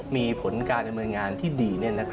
มีผลการดำเนินงานที่ดี